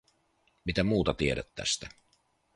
Mitä muuta tiedät tästä?